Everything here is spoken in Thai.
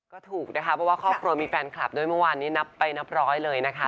ก็ถูกนะคะเพราะว่าครอบครัวมีแฟนคลับด้วยเมื่อวานนี้นับไปนับร้อยเลยนะคะ